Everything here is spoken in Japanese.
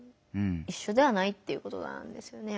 いっしょではないっていうことなんですよね。